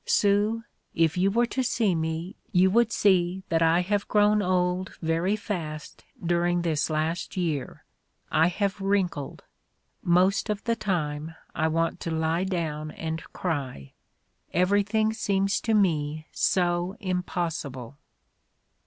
Sue, if you were to see me you would see that I have grown old very fast during this last year : I have wrinkled. Most of the time I want to lie down and cry. Everything seems to me so impossible."